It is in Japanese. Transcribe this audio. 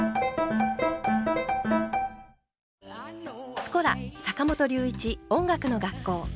「スコラ坂本龍一音楽の学校」。